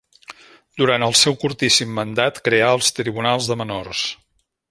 Durant el seu curtíssim mandat creà els tribunals de menors.